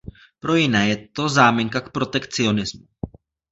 Pro jiné je to záminka k protekcionismu.